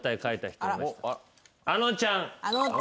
あのちゃん。